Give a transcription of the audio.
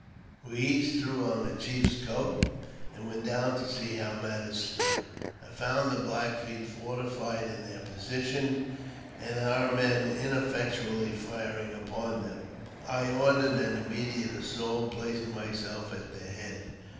We each threw on a chief's coat, and went down to see how matters stood. I found the Black Feet fortified in their posi tion, and our men ineffectually firing upon them. I ordered an immediate assault, placing myself at their head.